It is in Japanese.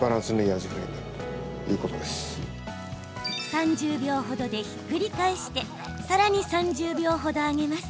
３０秒程で、ひっくり返してさらに３０秒程、揚げます。